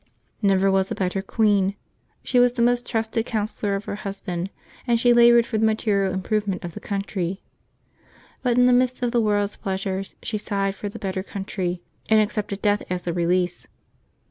N'ever was a better queen. She was the most trusted counsellor of her husband, and she labored for the material improvement of the country. But, in the midst of the world's pleasures, she sighed for the better country, and accepted, death as a release.